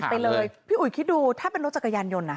ไปเลยพี่อุ๋ยคิดดูถ้าเป็นรถจักรยานยนต์